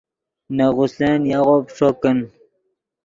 نے غسلن یاغو پیݯو کن